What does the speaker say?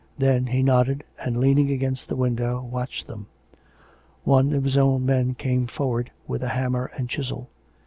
Then he nodded; and, leaning against the window, watched them. One of his own men came forward with a hammer and chisel.